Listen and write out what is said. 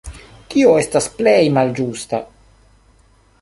Tio estas plej malĝusta.